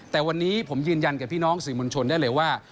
แต่วันนี้ผมยืนยันกับพี่น้องสื่อมวลชนได้เลยว่า